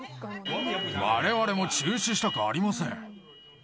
われわれも中止したくありません。